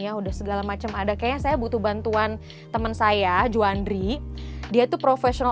ya udah segala macam ada kayaknya saya butuh bantuan teman saya juandri dia tuh profesional